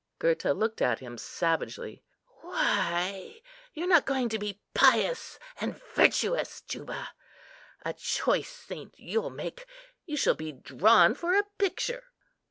Gurta looked at him savagely. "Why, you're not going to be pious and virtuous, Juba? A choice saint you'll make! You shall be drawn for a picture."